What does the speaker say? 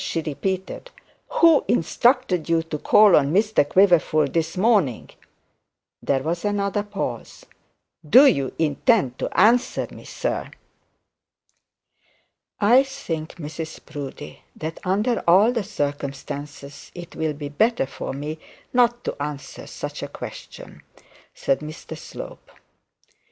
she repeated. 'Who instructed you to call on Mr Quiverful this morning?' There was another pause. 'Do you intend to answer me, sir?' 'I think, Mrs Proudie, that under all the circumstances it will be better for me not to answer such a question,' said Mr Slope.